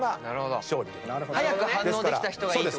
早く反応できた人がいい。